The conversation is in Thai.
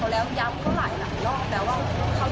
คือถ้ามันไปแจ้งความแล้วมันไม่จริง